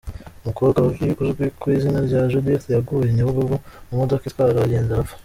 Umukobwa wari uzwi ku izina rya Judith yaguye Nyabugogo mu modoka itwara abagenzi arapfa.